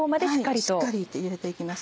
しっかり入れて行きます。